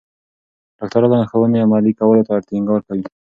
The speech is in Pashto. ډاکټران لارښوونې عملي کولو ته ټینګار کوي.